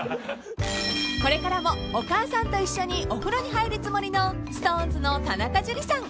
［これからもお母さんと一緒にお風呂に入るつもりのＳｉｘＴＯＮＥＳの田中樹さん］